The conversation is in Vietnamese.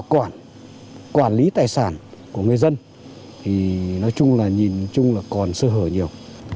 quản quản lý tài sản của người dân thì nói chung là nhìn chung là còn sơ hở nhiều